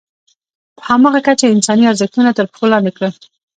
په همغه کچه یې انساني ارزښتونه تر پښو لاندې کړل.